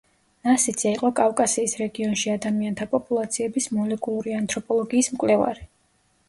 ნასიძე იყო კავკასიის რეგიონში ადამიანთა პოპულაციების მოლეკულური ანთროპოლოგიის მკვლევარი.